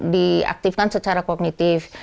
diaktifkan secara kognitif